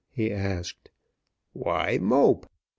he asked. "Why mope?